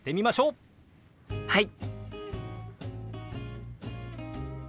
はい！